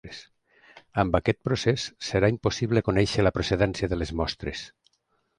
Amb aquest procés serà impossible conèixer la procedència de les mostres.